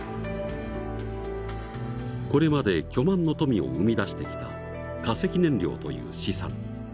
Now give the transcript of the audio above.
これまで巨万の富を生み出してきた化石燃料という資産。